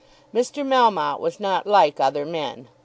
Mr. Melmotte was not like other men.